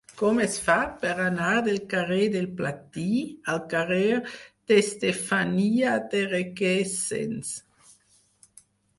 Com es fa per anar del carrer del Platí al carrer d'Estefania de Requesens?